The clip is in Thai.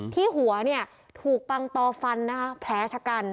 ที่หัวเนี่ยถูกปังตอฟันนะคะแผลชะกัน